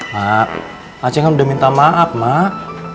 mak aceh kan udah minta maaf mak